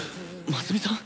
真澄さん！